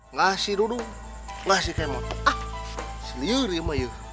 ngasih duduk lah si kemot ah seliru emang yuk